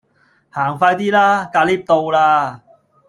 行快 D 啦！架 𨋢 到啦